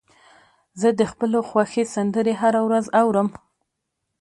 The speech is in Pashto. زه د خپلو خوښې سندرې هره ورځ اورم.